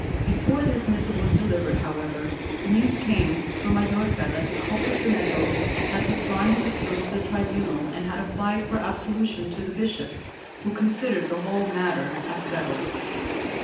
Before this missive was delivered, however, news came from Majorca that the culprit Dameto had withdrawn his appeal to the tribunal and had applied for absolution to the bishop, who considered the whole matter as settled.